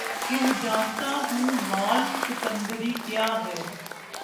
کہ جانتا ہوں مآل سکندری کیا ہے